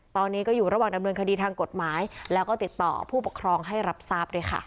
ตอนนี้ก็อยู่ระหว่างดำเนินคดีทางกฎหมายแล้วก็ติดต่อผู้ปกครองให้รับทราบด้วยค่ะ